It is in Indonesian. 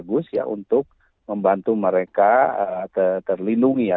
bagus ya untuk membantu mereka terlindungi ya